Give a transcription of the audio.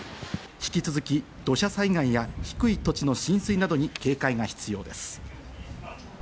引き続き土砂災害や低い土地の浸水などに警戒が必要です。